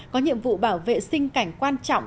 có nhiệm vụ bảo vệ sinh cảnh quan trọng